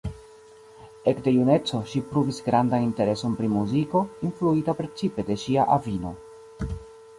Ekde juneco ŝi pruvis grandan intereson pri muziko, influita precipe de ŝia avino.